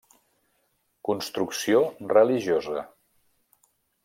Construcció religiosa.